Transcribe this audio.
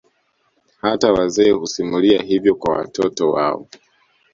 Hata wazee husimulia hivyo kwa watoto wao